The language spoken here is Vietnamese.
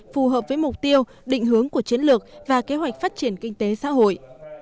phù hợp với mục tiêu định hướng của chiến lược và kế hoạch phát triển kinh tế xã hội